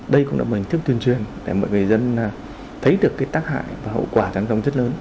đây cũng là một hình thức tuyên truyền để mọi người dân thấy được cái tác hại và hậu quả giao thông rất lớn